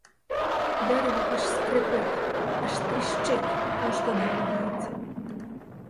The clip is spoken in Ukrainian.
Дерево аж скрипить, аж тріщить, аж додолу гнеться.